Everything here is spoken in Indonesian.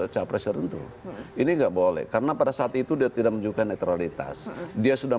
capres tertentu ini enggak boleh karena pada saat itu dia tidak menunjukkan netralitas dia sudah